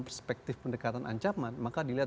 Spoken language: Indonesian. perspektif pendekatan ancaman maka dilihat